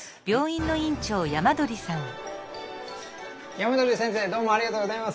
山鳥先生どうもありがとうございます。